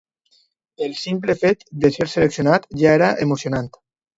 El simple fet de ser seleccionat ja era emocionant.